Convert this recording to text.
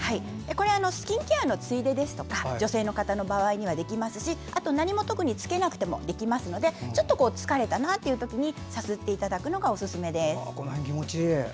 スキンケアのついでとか女性の方の場合はできますし何もつけなくてもできますのでちょっと疲れたなというときにさすっていただくのがおすすめです。